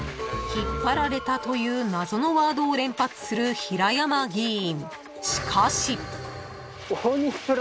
［「引っ張られた」という謎のワードを連発する平山議員］